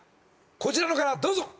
こちらの方からどうぞ。